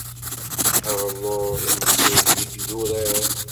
Abelluḍ imeqqi-d deg yidurar